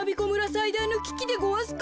さいだいのききでごわすか。